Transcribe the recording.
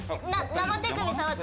生手首って。